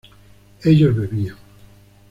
ellos bebían